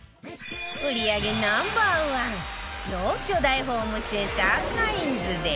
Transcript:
売り上げ Ｎｏ．１ 超巨大ホームセンターカインズで